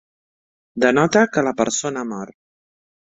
Denota que la persona ha mort.